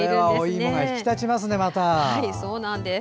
お芋が引き立ちますね。